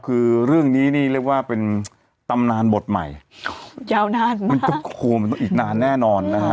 คือเรื่องนี้นี่เรียกว่าเป็นตำนานบทใหม่ยาวนานมันต้องโคมอีกนานแน่นอนนะฮะ